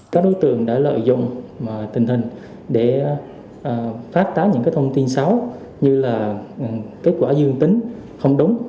các đối tượng đã lợi dụng tình hình để phát tán những thông tin xấu như là kết quả dương tính không đúng